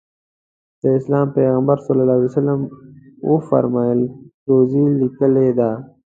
د اسلام پیغمبر ص وفرمایل روزي لیکلې ده.